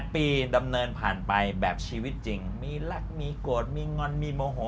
ปีดำเนินผ่านไปแบบชีวิตจริงมีรักมีโกรธมีงอนมีโมโห